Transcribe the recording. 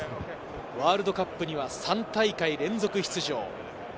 ワールドカップには３大会連続出場。